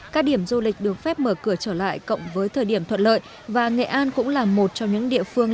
các điểm du lịch được phép mở cửa trở lại cộng với thời điểm thuận lợi và nghệ an cũng là một trong những địa phương